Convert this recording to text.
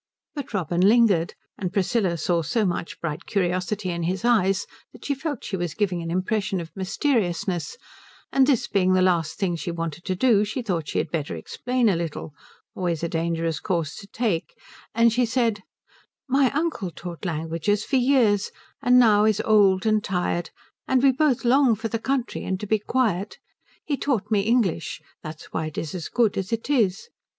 But Robin lingered, and Priscilla saw so much bright curiosity in his eyes that she felt she was giving an impression of mysteriousness; and this being the last thing she wanted to do she thought she had better explain a little always a dangerous course to take and she said, "My uncle taught languages for years, and is old now and tired, and we both long for the country and to be quiet. He taught me English that's why it's as good as it is.